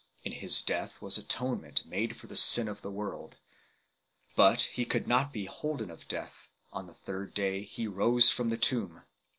In His death was Atonement made for the sin of the world. But He could not be holden of death ; on the third day He rose from the tomb.